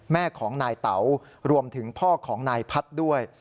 แม่ของนายเต๋ารวมถึงพ่อของนายพัฒน์ด้วย